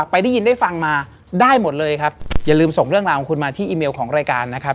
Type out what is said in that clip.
ได้ยินได้ฟังมาได้หมดเลยครับอย่าลืมส่งเรื่องราวของคุณมาที่อีเมลของรายการนะครับ